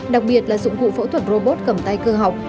đặc biệt là dụng cụ phẫu thuật robot cầm tay cơ học